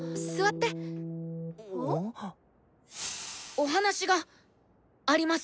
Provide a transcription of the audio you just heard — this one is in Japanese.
お話があります！